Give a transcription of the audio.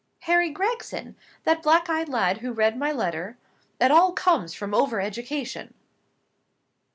"Harry Gregson! That black eyed lad who read my letter? It all comes from over education!"